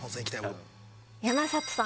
山里さん。